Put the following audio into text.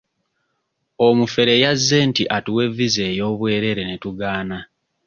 Omufere yazze nti atuwe viza ey'obwereere ne tugigaana.